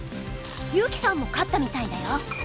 優希さんも勝ったみたいだよ。